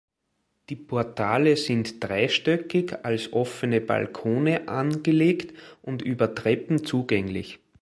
Die Portale sind dreistöckig als offene Balkone angelegt und über Treppen zugänglich.